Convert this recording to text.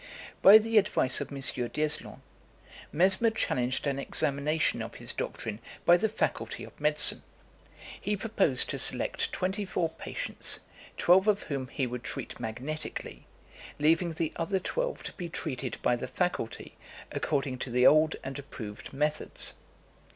By the advice of M. D'Eslon, Mesmer challenged an examination of his doctrine by the Faculty of Medicine. He proposed to select twenty four patients, twelve of whom he would treat magnetically, leaving the other twelve to be treated by the faculty according to the old and approved methods.